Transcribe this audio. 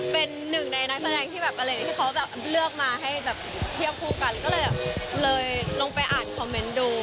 เป็นหนึ่งในนักแสดงที่เขาเลือกมาให้เทียบคู่กันก็เลยลงไปอ่านคอมเมนต์ดู